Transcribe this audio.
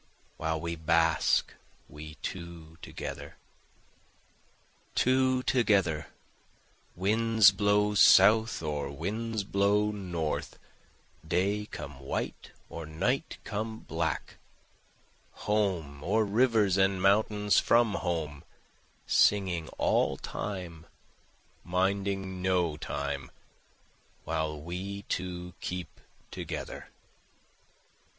While we bask, we two together. Two together! Winds blow south, or winds blow north, Day come white, or night come black, Home, or rivers and mountains from home, Singing all time, minding no time, While we two keep together.